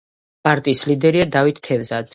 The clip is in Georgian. პარტიის ლიდერია დავით თევზაძე.